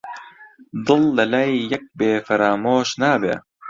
دڵ لە لای یەک بێ فەرامۆش نابێ